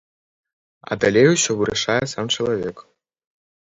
А далей усё вырашае сам чалавек.